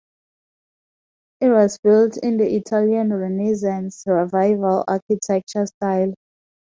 It was built in the Italian Renaissance Revival architecture style.